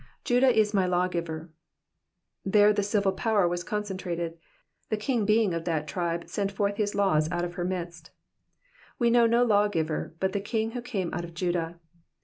^^Judah is my lawgiver. " There the civil power was concentrated : the king being of that tribe sent forth his laws out of her midst. We know no lawgiver, but the Kin^ who came out of Judah.